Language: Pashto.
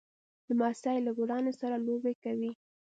لمسی له ګلانو سره لوبې کوي.